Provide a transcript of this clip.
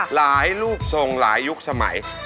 รูปทรงหลายยุคสมัย